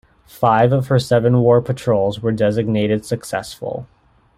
Five of her seven war patrols were designated "successful".